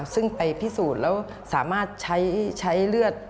ซึ่งไปพิสูจน์แล้วสามารถใช้เลือด